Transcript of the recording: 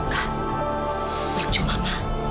kak berjumlah ma